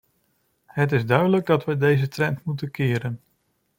Het is duidelijk dat wij deze trend moeten keren.